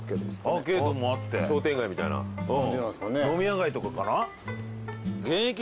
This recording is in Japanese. アーケードもあって商店街みたいなうん飲み屋街とかかな？